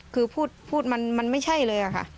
คือพูดมันไม่ใช่เลยค่ะ